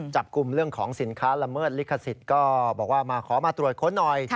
จับกลุ่มเรื่องของสินค้าละเมิดลิขสิทธิ์ก็บอกว่ามาขอมาตรวจค้นหน่อย